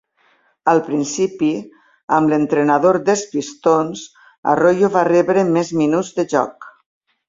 Al principi, amb l'entrenador dels Pistons, Arroyo va rebre més minuts de joc.